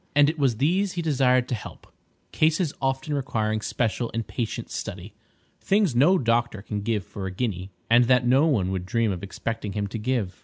And it was these he desired to help: cases often requiring special and patient study—things no doctor can give for a guinea, and that no one would dream of expecting him to give.